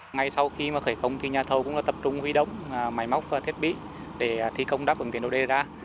ngay sau khi khởi công thì nhà thầu cũng tập trung huy động máy móc và thiết bị để thi công đắp ứng tiến độ đê ra